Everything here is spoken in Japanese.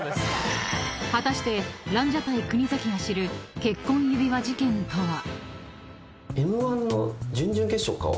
［果たしてランジャタイ国崎が知る結婚指輪事件とは？］